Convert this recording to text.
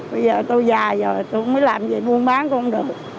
bây giờ tôi già rồi tôi không biết làm gì buôn bán con đường